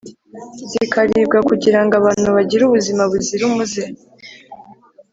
zikaribwa kugira ngo abantu bagire ubuzima buzira umuze.